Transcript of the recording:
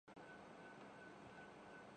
میں آپ کی واپسی تک یہیں انتظار کروں گا